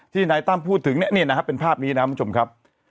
ที่ไหนตั้มพูดถึงเนี่ยเนี่ยนะฮะเป็นภาพนี้นะครับคุณผู้ชมครับ